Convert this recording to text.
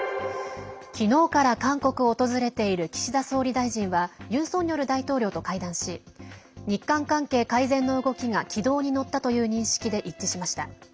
昨日から韓国を訪れている岸田総理大臣はユン・ソンニョル大統領と会談し日韓関係改善の動きが軌道に乗ったという認識で一致しました。